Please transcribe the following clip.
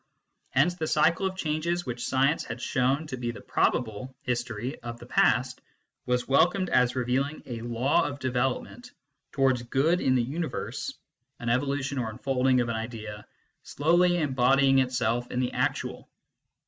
Hence the cycle of changes which science had shown to be the probable history of the past was wel comed as revealing a law of development towards good in the universe an evolution or unfolding of an idea slowly embodying itself in the actual.